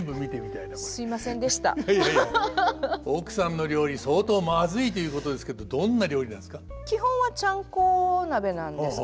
いやいや奥さんの料理相当まずいということですけどどんな料理なんですか？